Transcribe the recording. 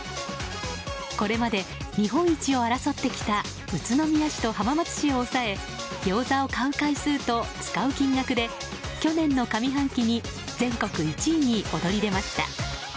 これまで日本一を争ってきた宇都宮市と浜松市を抑えギョーザを買う回数と使う金額で去年の上半期に全国１位に躍り出ました。